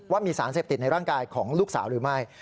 ว่ามีสารเสพติดในร่างกายของลูกสาวหรือไม่